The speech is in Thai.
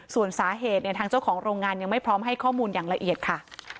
ส่วนสาเหตุเนี่ยทางเจ้าของโรงงานยังไม่พร้อมให้ข้อมูลอย่างละเอียดค่ะ